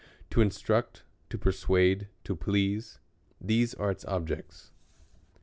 To instruct, to persuade, to please; these are ite objects.